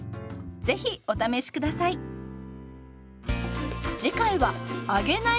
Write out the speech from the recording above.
是非お試し下さい。